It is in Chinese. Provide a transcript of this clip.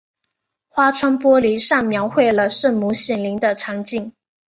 花窗玻璃上描绘了圣母显灵的场景。